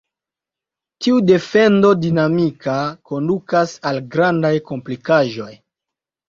Tiu defendo dinamika kondukas al grandaj komplikaĵoj.